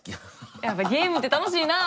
やっぱゲームって楽しいなあ！